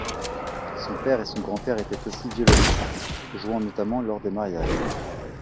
Son père et son grand-père étaient aussi violonistes, jouant notamment lors des mariages.